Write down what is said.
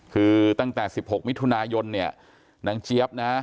คือตั้งแต่๑๖มิถุนายนเนี่ยนางเจี๊ยบนะ